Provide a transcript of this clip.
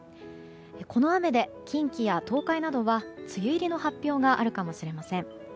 この雨で近畿や東海などは梅雨入りの発表があるかもしれません。